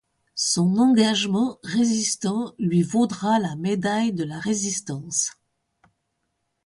Son engagement résistant lui vaudra la médaille de la Résistance.